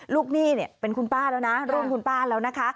หนี้เนี่ยเป็นคุณป้าแล้วนะร่วมคุณป้าแล้วนะคะ